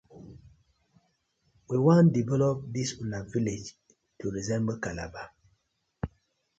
We wan develop dis una villag to resemble Calabar.